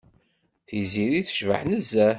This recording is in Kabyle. Tiziri tecbeḥ nezzeh.